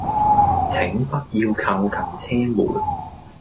請不要靠近車門